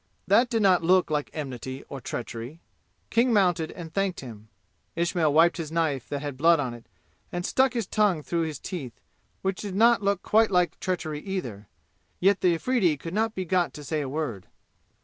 That did not look like enmity or treachery. King mounted and thanked him. Ismail wiped his knife, that had blood on it, and stuck his tongue through his teeth, which did not look quite like treachery either. Yet the Afridi could not be got to say a word.